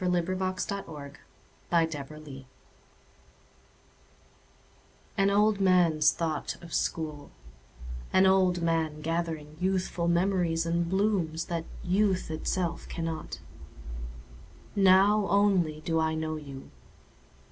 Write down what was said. An Old Man's Thought of School AN old man's thought of School; An old man, gathering youthful memories and blooms, that youth itself cannot. Now only do I know you!